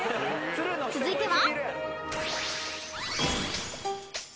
［続いては］